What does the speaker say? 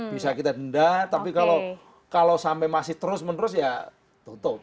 bisa kita denda tapi kalau sampai masih terus menerus ya tutup